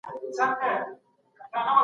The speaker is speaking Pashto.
مهرباني وکړئ دوام وساتئ.